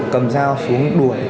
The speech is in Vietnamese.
cầm dao xuống đuổi